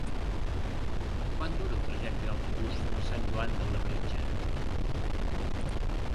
Quant dura el trajecte en autobús fins a Sant Joan de Labritja?